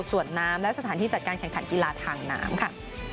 วดน้ำและสถานที่จัดการแข่งขันกีฬาทางน้ำค่ะ